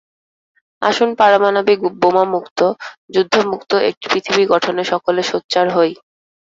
আসুন পারমাণবিক বোমা মুক্ত, যুদ্ধ মুক্ত একটি পৃথিবী গঠনে সকলে সোচ্চার হই।